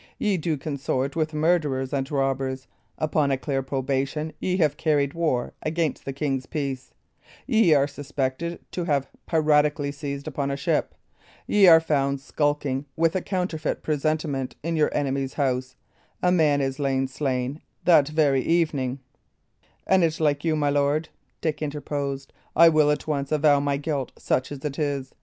Ye do consort with murderers and robbers; upon a clear probation ye have carried war against the king's peace; ye are suspected to have piratically seized upon a ship; ye are found skulking with a counterfeit presentment in your enemy's house; a man is slain that very evening " "An it like you, my lord," Dick interposed, "I will at once avow my guilt, such as it is.